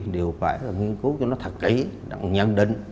đều phải nghiên cứu cho nó thật kỹ nhận định